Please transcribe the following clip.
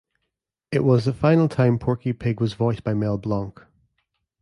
It was the final time Porky Pig was voiced by Mel Blanc.